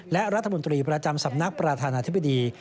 และรัฐมนตรีประจำสำนักประธานาธิบดี